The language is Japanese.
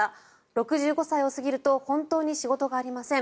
６５歳を過ぎると本当に仕事がありません。